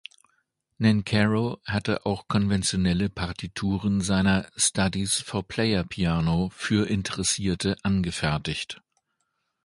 Nancarrow hat auch konventionelle Partituren seiner "Studies for Player-Piano" für Interessierte angefertigt.